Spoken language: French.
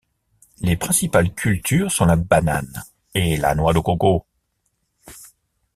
Les principales cultures sont la banane et la noix de coco.